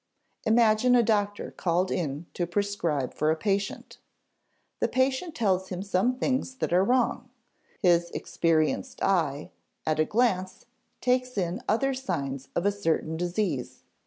Imagine a doctor called in to prescribe for a patient. The patient tells him some things that are wrong; his experienced eye, at a glance, takes in other signs of a certain disease.